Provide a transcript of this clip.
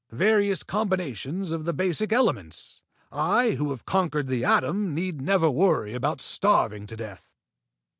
Various combinations of the basic elements. I who have conquered the atom need never worry about starving to death."